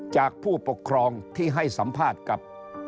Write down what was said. จากผู้ปกครองที่ให้สัมภาษณ์กับ